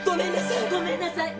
ごめんなさい！